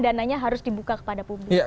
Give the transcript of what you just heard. dananya harus dibuka kepada publik